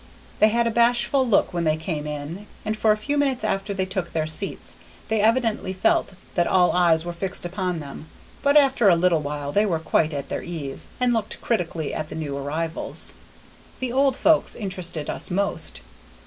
They had a bashful look when they came in, and for a few minutes after they took their seats they evidently felt that all eyes were fixed upon them; but after a little while they were quite at their ease, and looked critically at the new arrivals. The old folks interested us most.